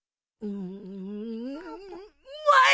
うまい！